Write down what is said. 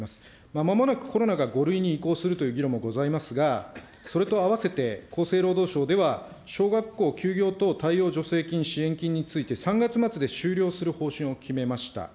まもなくコロナが５類に移行するという議論もございますが、それとあわせて厚生労働省では、小学校休業等対応助成金・支援金について、３月末で終了する方針を決めました。